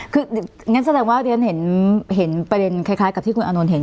คืองั้นแสดงว่าเรียนเห็นประเด็นคล้ายกับที่คุณอานนท์เห็น